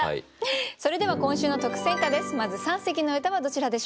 それでは今週の特選歌です。